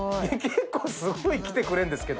結構すごい来てくれるんですけど。